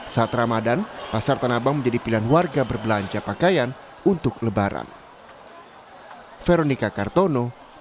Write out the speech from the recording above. saat ramadhan pasar tanabang menjadi pilihan warga berbelanja pakaian untuk lebaran